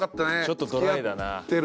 ちょっとドライだな。